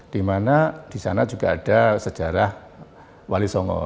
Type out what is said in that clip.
dimana di sana juga ada sejarah wali songo